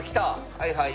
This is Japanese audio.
はいはい。